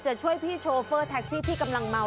จะช่วยพี่โชเฟอร์แท็กซี่ที่กำลังเมา